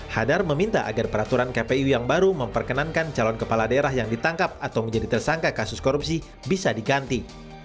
hadar meminta agar peraturan kpu yang baru memperkenankan calon kepala daerah yang ditangkap atau menjadi tersangka kasus korupsi bisa diganti